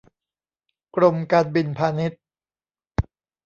กรมการบินพาณิชย์